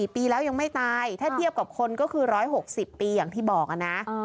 ปีแล้วยังไม่ตายถ้าเทียบกับคนก็คือ๑๖๐ปีอย่างที่บอกนะ